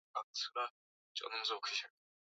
Viazi lishe hupunguza janga la njaa